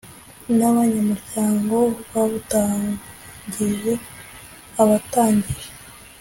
N abanyamuryango bawutangije abatangije